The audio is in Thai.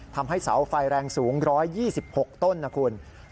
ทำให้เสาไฟแรงสูง๑๒๖ต้นนะคุณ